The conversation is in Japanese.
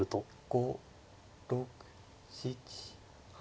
５６７８。